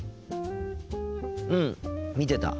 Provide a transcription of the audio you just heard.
うん見てた。